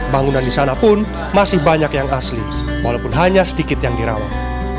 bangunan di sana pun masih banyak yang asli walaupun hanya sedikit yang dirawat